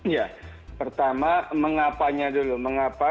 ya pertama mengapanya dulu mengapa